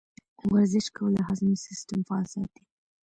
ورزش کول د هاضمې سیستم فعال ساتي.